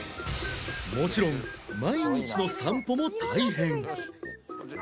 もちろん毎日の散歩も大変